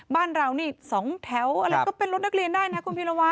บ้านเรานี่สองแถวอะไรก็เป็นรถนักเรียนได้นะคุณพีรวะ